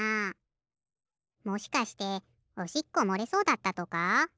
もしかしておしっこもれそうだったとか？